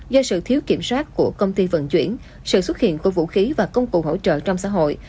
do sự thiếu kiểm soát của công ty vận chuyển sự xuất hiện của vũ khí và công cụ hỗ trợ trong xã hội